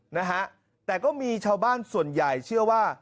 นะฮะแต่ก็มีชาวบ้านส่วนใหญ่เชื่อว่า